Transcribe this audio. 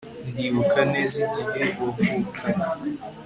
ndibuka neza igihe wavukaga